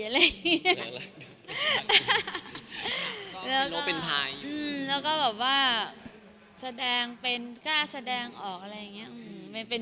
แล้วก็แบบว่าแสดงเป็นกล้าแสดงออกอะไรอย่างนี้